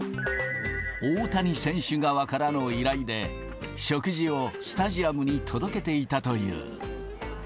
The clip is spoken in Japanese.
大谷選手側からの依頼で、食事をスタジアムに届けていたという。